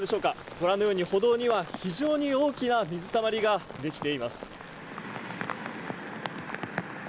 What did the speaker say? ご覧のように、歩道には非常に大きな水たまりが出来ています。